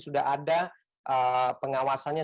sudah ada pengawasannya